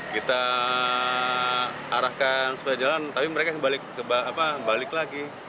kita arahkan supaya jalan tapi mereka kembali lagi